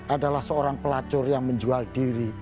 adalah seorang pelacur yang menjual diri